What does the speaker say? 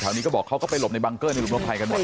แถวนี้ก็บอกเขาก็ไปหลบในบังกเกิ้ลในหลุมนวทัยกัน